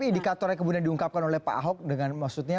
ini satu role model yang cukup